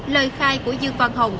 lời khai của dương văn hồng